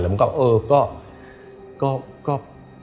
ผมก็เออก็